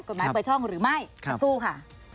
กฎหมายเปอร์ช่องหรือไม่สักครู่ค่ะ